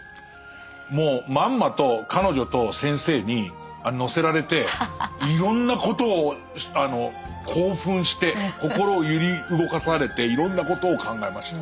もうまんまと彼女と先生に乗せられていろんなことを興奮して心を揺り動かされていろんなことを考えました。